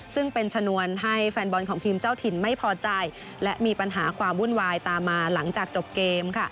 ซึ่งเป็นชนวนให้แฟนบอลของทีมเจ้าถิ่นไม่พอใจและมีปัญหาความวุ่นวายตามมาหลังจากจบเกม